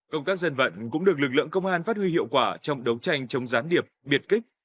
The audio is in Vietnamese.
công tác dân vận cũng được lực lượng công an phát huy hiệu quả trong đấu tranh chống gián điệp biệt kích